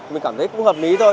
mình cảm thấy cũng hợp lý thôi